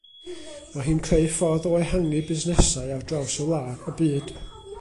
Mae hi'n creu ffordd o ehangu busnesau ardraws y byd